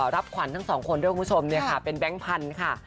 รับขวัญทั้งสองคนด้วยคุณผู้ชมเป็นแบงค์พันธุ์ค่ะ